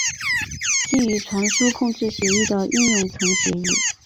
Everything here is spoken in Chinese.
基于传输控制协议的应用层协议。